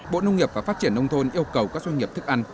bộ nông nghiệp và phát triển nông thôn yêu cầu các doanh nghiệp thức ăn